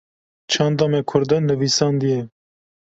çanda me Kurda nivîsandiye